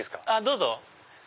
どうぞ。